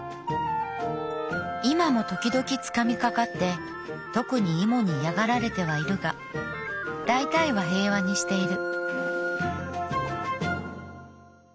今もときどきつかみかかって特にイモに嫌がられてはいるがだいたいは平和にしている」。